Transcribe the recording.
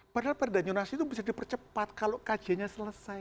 padahal perda jonasi itu bisa dipercepat kalau kajiannya selesai